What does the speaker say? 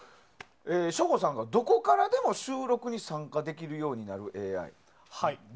省吾さんが、どこからでも収録に参加できるようになるＡＩ。